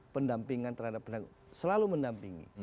pendampingan terhadap pendagang hukum selalu mendampingi